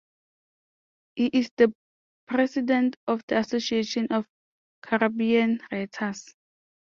He is the president of the Association of Caribbean Writers.